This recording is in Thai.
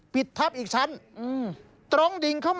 ปิดทัพอีกชั้น